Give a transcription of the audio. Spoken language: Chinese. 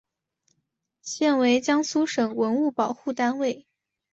现为江苏省文物保护单位。